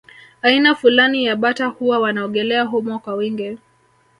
Aina fulani ya bata huwa wanaogelea humo kwa wingi